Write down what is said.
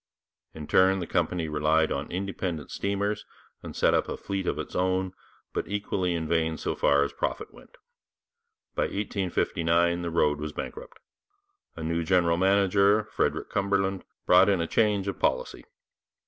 In turn the company relied on independent steamers, and set up a fleet of its own, but equally in vain so far as profit went. By 1859 the road was bankrupt. A new general manager, Frederick Cumberland, brought in a change of policy.